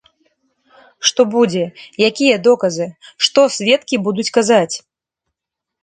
Што будзе, якія доказы, што сведкі будуць казаць.